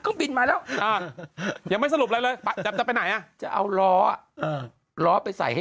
เออคนจีนไปเน็กไปไหนน่ะ